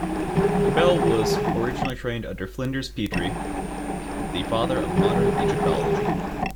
Quibell was originally trained under Flinders Petrie, the father of modern Egyptology.